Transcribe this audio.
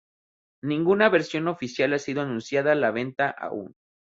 Ninguna versión oficial ha sido anunciada a la venta aún.